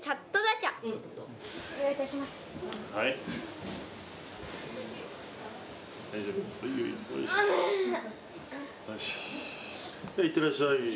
じゃあいってらっしゃい。